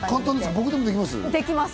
僕でもできます？